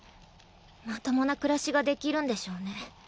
まともな暮らしができるんでしょうね。